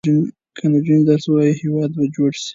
که نجونې درس ووايي، هېواد به جوړ شي.